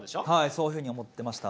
そういうふうに思っていました。